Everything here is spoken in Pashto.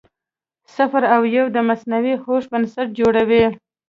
صفر او یو د مصنوعي هوښ بنسټ جوړوي.